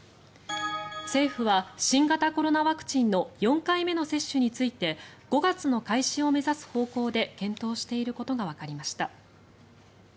政府は新型コロナワクチンの４回目の接種について５月の開始を目指す方向で検討していることがわかりました。